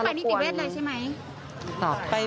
อันนี้เข้าไปนิติเวศคะใช่ไหม